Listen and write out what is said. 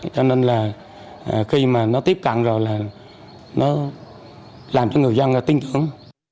cho nên là khi mà nó tiếp cận rồi là nó làm cho người dân tin tưởng